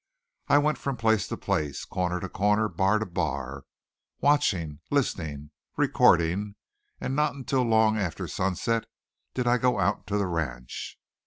I went from place to place, corner to corner, bar to bar, watching, listening, recording; and not until long after sunset did I go out to the ranch.